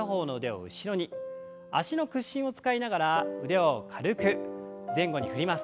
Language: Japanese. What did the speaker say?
脚の屈伸を使いながら腕を軽く前後に振ります。